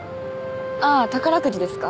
ああー宝くじですか？